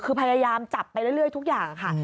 คือพยายามจับไปเรื่อยทุกอย่างค่ะ